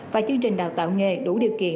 và chương trình đào tạo nghề đủ điều kiện